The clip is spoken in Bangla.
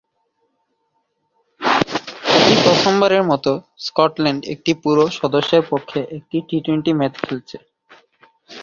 এটি প্রথমবারের মতো স্কটল্যান্ড একটি পুরো সদস্যের পক্ষে একটি টি-টোয়েন্টি ম্যাচে খেলেছে।